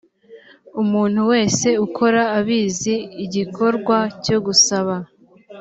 umuntu wese ukora abizi igikorwa cyogusaba